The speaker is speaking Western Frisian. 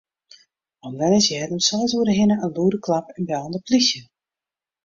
Omwenners hearden om seis oere hinne in lûde klap en bellen de plysje.